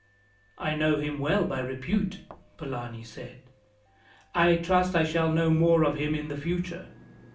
"I know him well by repute," Polani said. "I trust I shall know more of him in the future.